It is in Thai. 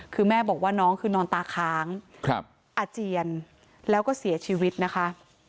คือแม่บอกว่าน้องคือนอนตาค้างอาเจียนแล้วก็เสียชีวิตนะคะ